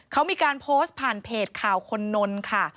เขามีการโพสต์ผ่านเพจข่าวคนนนท์ค่ะ